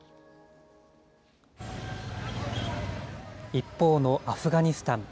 一方のアフガニスタン。